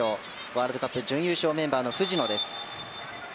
ワールドカップ準優勝メンバーの藤野。